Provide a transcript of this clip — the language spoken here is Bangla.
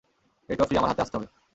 এই ট্রফি আমার হাতে আসতে হবে।